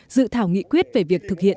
dự thảo nghị quyết về việc thực hiện